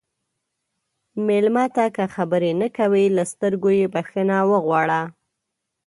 مېلمه ته که خبرې نه کوي، له سترګو یې بخښنه وغواړه.